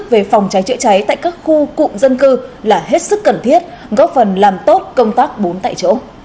về phòng cháy chữa cháy tại các khu cụm dân cư là hết sức cần thiết góp phần làm tốt công tác bốn tại chỗ